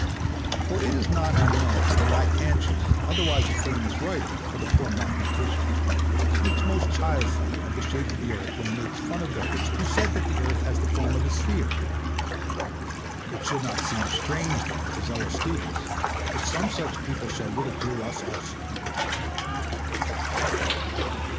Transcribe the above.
For it is not unknown that Lactantius, otherwise a famous writer but a poor mathematician, speaks most childishly of the shape of the Earth when he makes fun of those who said that the Earth has the form of a sphere. It should not seem strange then to zealous students, if some such people shall ridicule us also.